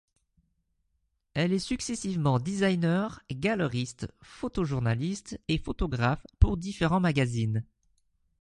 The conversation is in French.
Elle est successivement designer, galeriste, photojournaliste et photographe pour différents magazines.